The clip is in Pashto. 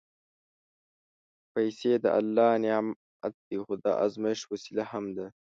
پېسې د الله نعمت دی، خو د ازمېښت وسیله هم ده.